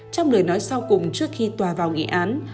trong lời nói sau cùng trước khi tòa vào nghị án